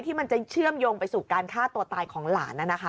ที่มันจะเชื่อมโยงไปสู่การฆ่าตัวตายของหลาน